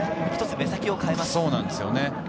目先を変えます。